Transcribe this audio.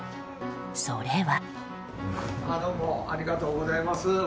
それは。